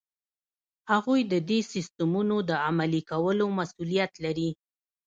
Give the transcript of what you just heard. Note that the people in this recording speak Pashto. هغوی ددې سیسټمونو د عملي کولو مسؤلیت لري.